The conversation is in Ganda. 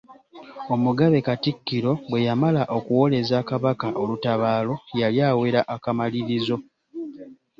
Omugabe Katikkiro bwe yamala okuwoleza Kabaka olutabaalo, yali awera akamalirizo.